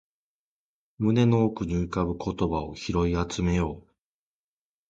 胸の奥に浮かぶ言葉を拾い集めよう